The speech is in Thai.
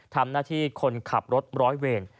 ทำหน้าที่คนขับรถร้อยเวร